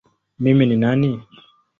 Mimi ni nani?